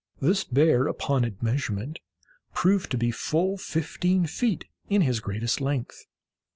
This bear, upon admeasurement, proved to be full fifteen feet in his greatest length.